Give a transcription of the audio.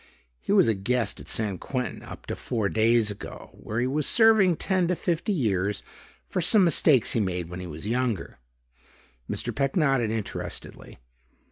He was a guest at San Quentin up to four days ago where he was serving ten to fifty years for some mistakes he made when he was younger." Mr. Peck nodded interestedly.